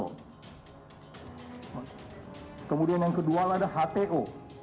dan kemudian yang kedua adalah hto